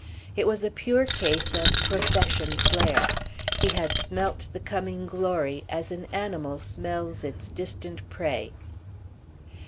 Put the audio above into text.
It was a pure case of profession flair—he had smelt the coming glory as an animal smells its distant prey.